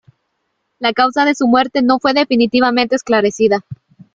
La causa de su muerte no fue definitivamente esclarecida.